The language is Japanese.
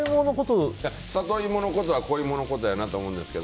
サトイモのことは小芋のことやなと思うんですけど。